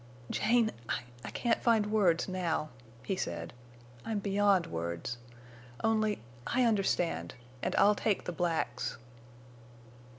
"Jane, I—I can't find words—now," he said. "I'm beyond words. Only—I understand. And I'll take the blacks."